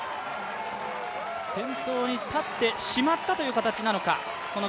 先頭に立ってしまったという形なのか。